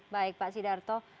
baik pak sidarto